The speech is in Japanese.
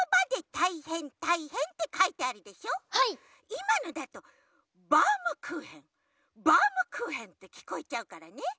いまのだと「バウムクーヘンバウムクーヘン」ってきこえちゃうからね。